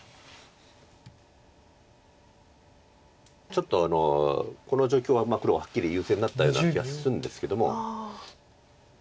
ちょっとこの状況は黒ははっきり優勢になったような気がするんですけども。